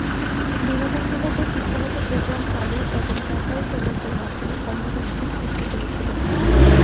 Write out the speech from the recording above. বিনোদনমূলক ও শিক্ষাগত প্রোগ্রাম চালু এবং সরকারি প্রকল্পের মাধ্যমে কর্মসংস্থান সৃষ্টি করেছিল।